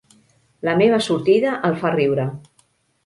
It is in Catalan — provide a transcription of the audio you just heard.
La meva sortida el fa riure.